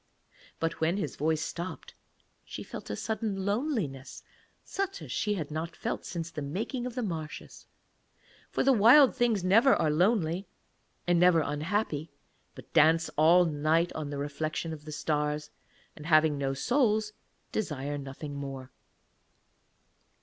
But when his voice stopped she felt a sudden loneliness, such as she had not felt since the making of the marshes; for the Wild Things never are lonely and never unhappy, but dance all night on the reflection of the stars, and having no souls, desire nothing more.